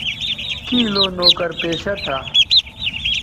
کیں لو نوکر پیشہ تھا